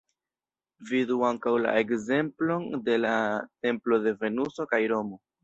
Vidu ankaŭ la ekzemplon de la Templo de Venuso kaj Romo.